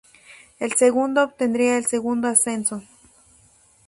El segundo obtendría el segundo ascenso.